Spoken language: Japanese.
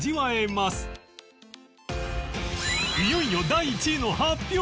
いよいよ第１位の発表！